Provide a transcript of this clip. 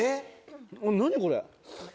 何これ。